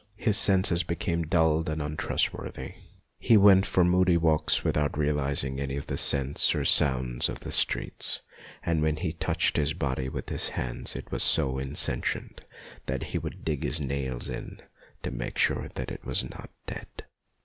His senses became dulled and untrustworthy. He went for moody walks without real izing any of the scents or sounds of the streets, and when he touched his body with his hands it was so insentient that he would dig his nails in to make sure that it was not dead.